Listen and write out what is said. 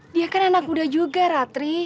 dia kan anak muda juga ratri